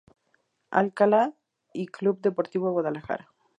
Alcalá y Club Deportivo Guadalajara.